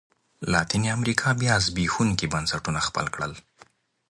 لاتینې امریکا بیا زبېښونکي بنسټونه خپل کړل.